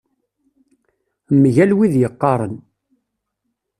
Mgal wid yeqqaren.